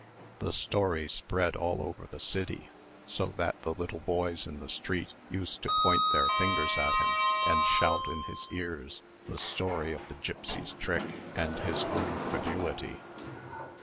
The story spread all over the city; so that the little boys in the streets used to point their fingers at him, and shout in his ears the story of the gipsy's trick, and his own credulity.